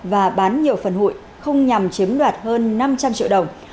và bán nhiều phần hụi không nhằm chiếm đoạt hơn năm trăm linh triệu đồng